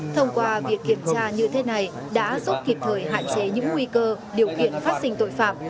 thông qua việc kiểm tra như thế này đã giúp kịp thời hạn chế những nguy cơ điều kiện phát sinh tội phạm